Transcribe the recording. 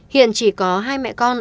hiện chỉ có hai mẹ con